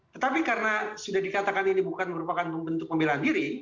tetapi karena sudah dikatakan ini bukan merupakan bentuk pembelaan diri